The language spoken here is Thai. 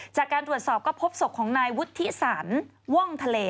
จากการตรวจสอบก็พบศพของนายวุฒิสันว่องทะเล